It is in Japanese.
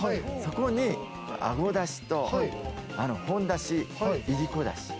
ここにあごだしと、ほんだし、いりこだし。